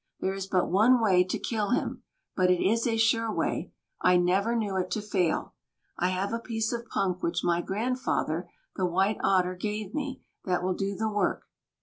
There is but one way to kill him; but it is a sure way, I never knew it to fail. I have a piece of punk which my grandfather, the White Otter, gave me, that will do the work."